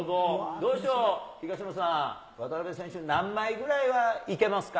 どうでしょう、東野さん、渡辺選手、何枚ぐらいはいけますか。